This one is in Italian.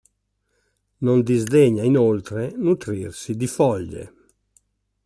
Non disdegna inoltre nutrirsi di foglie.